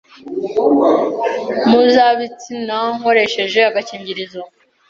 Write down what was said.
mpuzabitsina nkoresheje agakingirizo,